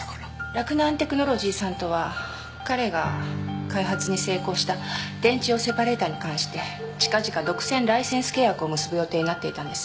洛南テクノロジーさんとは彼が開発に成功した電池用セパレータに関して近々独占ライセンス契約を結ぶ予定になっていたんです。